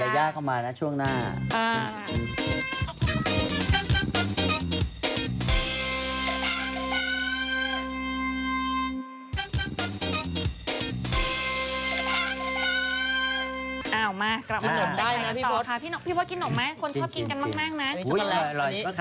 อ้าวมากลับมากรดบกันมาต่อค่ะพี่พอสกินนมไหมคนชอบกินกันมากนะ